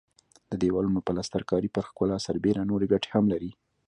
د دېوالونو پلستر کاري پر ښکلا سربېره نورې ګټې هم لري.